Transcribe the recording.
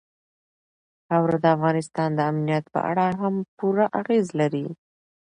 خاوره د افغانستان د امنیت په اړه هم پوره اغېز لري.